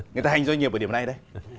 người ta hành doanh nghiệp ở điểm này đây